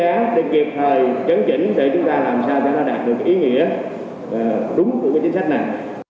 để chúng ta làm sao cho nó đạt được cái ý nghĩa đúng của cái chính sách này